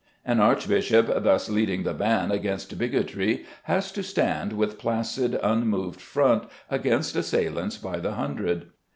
An archbishop thus leading the van against bigotry has to stand with placid unmoved front against assailants by the hundred.